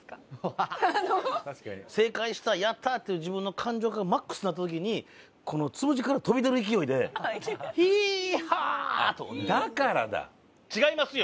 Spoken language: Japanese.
正解したやったーっていう自分の感情がマックスになった時につむじから飛び出る勢いで「ヒーハー！」と。違いますよ！